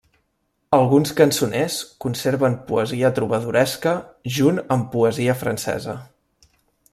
Alguns cançoners conserven poesia trobadoresca junt amb poesia francesa.